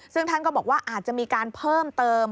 ซึ่งท่านก็บอกว่าอาจจะมีการเพิ่มเติม